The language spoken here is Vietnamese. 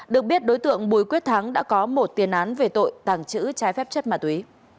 được biết đối tượng bùi quyết thắng đã có một tiền án về tội tàng trữ trái phép chất ma túy